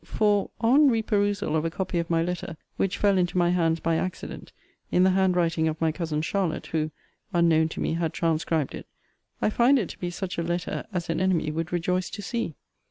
For, on reperusal of a copy of my letter, which fell into my hands by accident, in the hand writing of my cousin Charlotte, who, unknown to me, had transcribed it, I find it to be such a letter as an enemy would rejoice to see.